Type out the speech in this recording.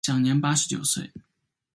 享年八十九岁。